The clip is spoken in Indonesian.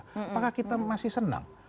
apakah kita masih senang